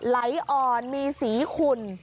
ไหลอ่อนมีสีขุ่น